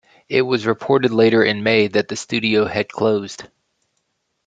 It was reported later in May that the studio had closed.